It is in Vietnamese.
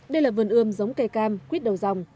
đây là vườn ươm giống cây cam quýt đầu dòng